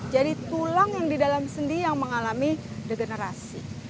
jadi tulang yang di dalam sendi yang mengalami degenerasi